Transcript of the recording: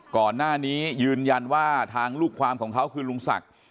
ก่อนหน้านี้ยืนยันว่าทางลูกความของเขาคือลุงศักดิ์